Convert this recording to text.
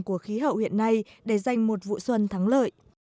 của khí hậu hiện nay để giành một vụ xuân thắng lợi